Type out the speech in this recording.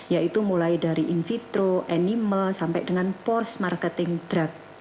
yaitu mulai dari in vitro animal sampai dengan force marketing drug